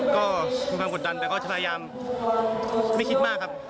ก็มีความกดดันแต่ก็จะพยายามไม่คิดมากครับ